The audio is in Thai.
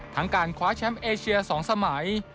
การคว้าแชมป์เอเชีย๒สมัย